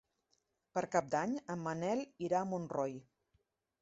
Per Cap d'Any en Manel irà a Montroi.